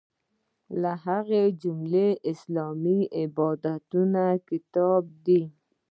له هغې جملې اسلامي عبادتونه کتاب دی.